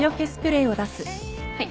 はい。